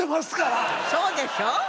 そうでしょ。